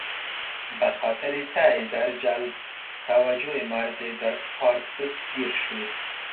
به خاطر سعی در جلب توجه مردی در پارک دستگیر شد.